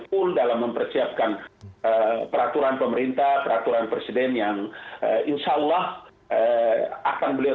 full dalam mempersiapkan peraturan pemerintah peraturan presiden yang insyaallah akan beliau